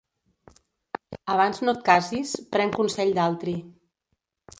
Abans no et casis, pren consell d'altri.